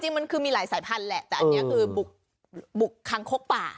มันคือมีหลายสายพันธุ์แหละแต่อันนี้คือบุกคังคกป่า